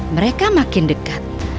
mereka makin dekat